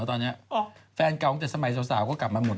ตอนนี้แฟนเก่าตั้งแต่สมัยสาวก็กลับมาหมด